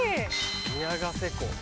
宮ヶ瀬湖。